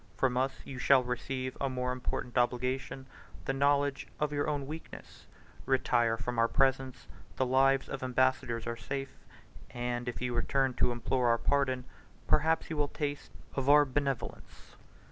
From us you shall receive a more important obligation, the knowledge of your own weakness. Retire from our presence; the lives of ambassadors are safe; and, if you return to implore our pardon, perhaps you will taste of our benevolence."